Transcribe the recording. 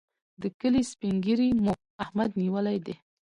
د کلي سپين ږيری مو احمد نیولی دی.